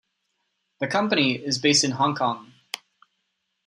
The company is based in Hong Kong.